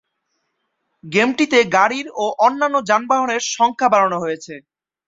গেমটিতে গাড়ির ও অন্যান্য যানবাহনের সংখ্যা বাড়ানো হয়েছে।